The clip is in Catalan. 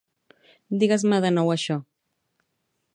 Digues-me de nou això.